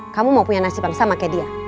kamu mau punya nasib yang sama kayak dia